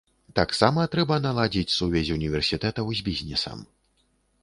Таксама трэба наладзіць сувязь універсітэтаў з бізнесам.